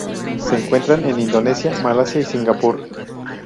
Se encuentran en Indonesia, Malasia, y Singapur.